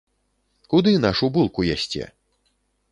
Куды нашу булку ясце?